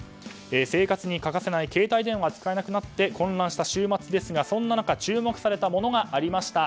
生活に欠かせない携帯電話が使えなくなって混乱した週末ですが、そんな中注目されたものがありました。